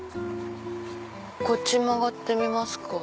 こっち曲がってみますか。